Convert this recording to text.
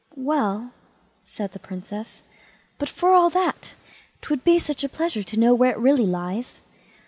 "Well", said the Princess;" but for all that, 'twould be such a pleasure to know where it really lies."